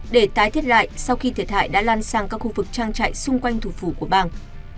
để tái thiết lại sau khi thiệt hại đã lan sang các khu vực trang trại xung quanh thủ phủ của bang